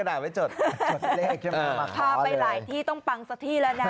พาไปหลายที่ต้องปังสักทีแล้วนะ